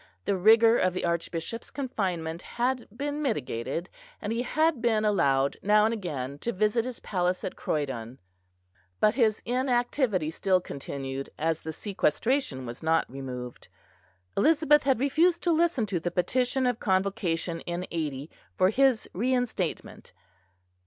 The rigour of the Archbishop's confinement had been mitigated, and he had been allowed now and again to visit his palace at Croydon; but his inactivity still continued as the sequestration was not removed; Elizabeth had refused to listen to the petition of Convocation in '80 for his reinstatement.